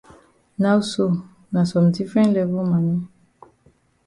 Now so na some different level mami.